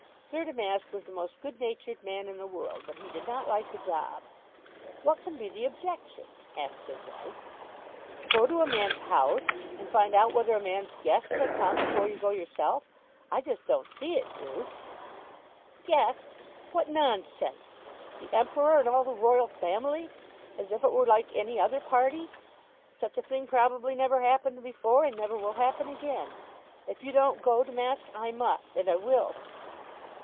Sir Damask was the most good natured man in the world, but he did not like the job. "What can be the objection?" asked his wife. "Go to a man's house and find out whether a man's guests are come before you go yourself! I don't just see it, Ju." "Guests! What nonsense! The Emperor and all the Royal Family! As if it were like any other party. Such a thing, probably, never happened before, and never will happen again. If you don't go, Damask, I must; and I will."